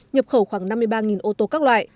nhập khẩu khoảng năm mươi ba ô tô các loại